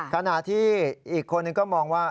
ขณะที่อีกคนหนึ่งก็มองว่า